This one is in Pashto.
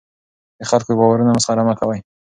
د خلکو د باورونو مسخره مه کوه.